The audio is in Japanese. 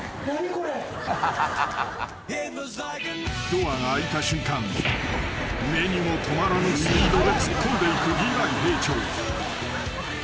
［ドアが開いた瞬間目にも留まらぬスピードで突っ込んでいくリヴァイ兵長］